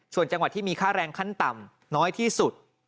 ส่วนจังหวัดที่มีค่าแรงขั้นต่ำน้อยที่สุด